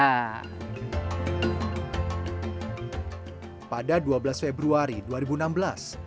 pada dua belas februari dua ribu enam belas wayang sukuraga menemukan penghargaan anugerah inovasi jawa barat